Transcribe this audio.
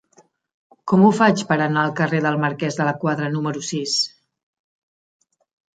Com ho faig per anar al carrer del Marquès de la Quadra número sis?